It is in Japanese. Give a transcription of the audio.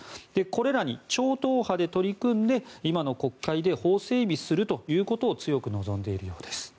これらに超党派で取り組んで今の国会で法整備することを強く望んでいるようです。